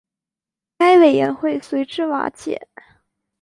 该委员会随之瓦解。